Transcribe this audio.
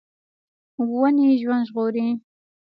ونې ژوند ژغوري.